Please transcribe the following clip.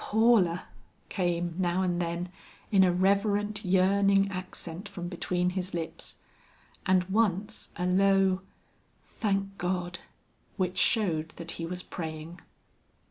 "Paula!" came now and then in a reverent, yearning accent from between his lips, and once a low, "Thank God!" which showed that he was praying.